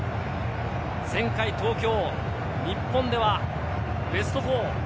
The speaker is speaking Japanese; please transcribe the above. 前回東京、日本ではベスト４。